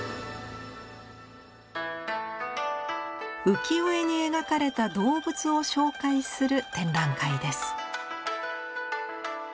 浮世絵に描かれた動物を紹介する展覧会です。